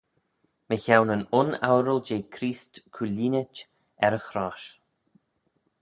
Mychione yn un oural jeh Creest cooilleenit er y chrosh.